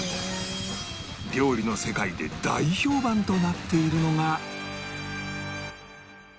料理の世界で大評判となっているのが